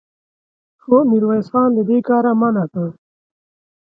خو ميرويس خان له دې کاره منع کړ.